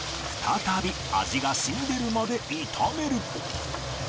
再び味が染み出るまで炒める